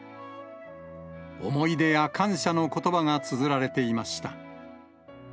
思い出や感謝のことばがつづられていました。